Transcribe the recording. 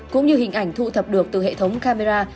cũng như hình ảnh thu thập được từ hệ thống camera